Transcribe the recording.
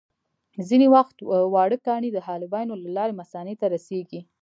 ځینې وخت واړه کاڼي د حالبینو له لارې مثانې ته رسېږي.